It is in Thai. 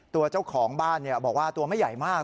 ตัวเจ้าของบ้านบอกว่าตัวไม่ใหญ่มาก